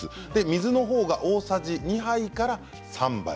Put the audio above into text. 水の方が大さじ２杯から３杯。